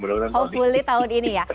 hopefully tahun ini ya